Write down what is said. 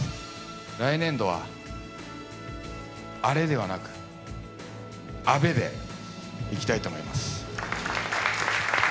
来年度はアレではなく、アベでいきたいと思います。